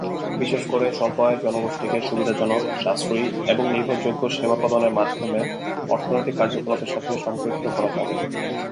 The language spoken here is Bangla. বিশেষ করে স্বল্প আয়ের জনগোষ্ঠীকে সুবিধাজনক, সাশ্রয়ী, এবং নির্ভরযোগ্য সেবা প্রদানের মাধ্যমে অর্থনৈতিক কার্যকলাপের সাথে সম্পৃক্ত করা যাবে।